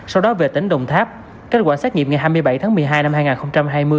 sau đó về tỉnh đồng tháp kết quả xét nghiệm ngày hai mươi bảy tháng một mươi hai năm hai nghìn hai mươi